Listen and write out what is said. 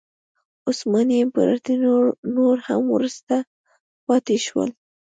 عثماني امپراتوري نور هم وروسته پاتې شول.